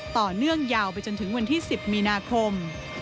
ต่อเนื่องยาวไปจนถึงวันที่๑๐มีนาคม